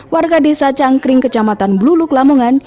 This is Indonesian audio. warga desa cangkring kecamatan bluluk lamongan